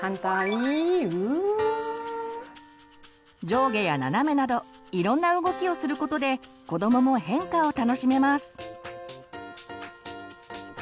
上下や斜めなどいろんな動きをすることで子どもも変化を楽しめます。